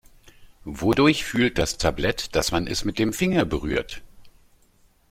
Wodurch fühlt das Tablet, dass man es mit dem Finger berührt?